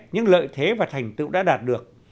những lợi thế và thành tựu đã đạt được